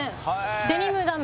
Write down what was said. デニムダメ。